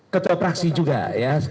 ketua praksi juga ya